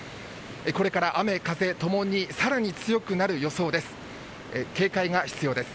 これから雨、風ともにさらに強くなる予想です。